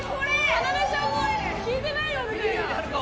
かなでちゃん聞いてないよみたいな。